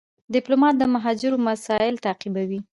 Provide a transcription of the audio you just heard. ډيپلومات د مهاجرو مسایل تعقیبوي.